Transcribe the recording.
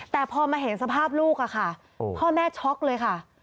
แต่พอมาเห็นสภาพลูกค่ะพ่อแม่ช็อกเลยค่ะ